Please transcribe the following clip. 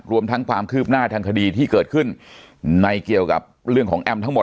รวมทั้งความคืบหน้าทางคดีที่เกิดขึ้นในเกี่ยวกับเรื่องของแอมทั้งหมด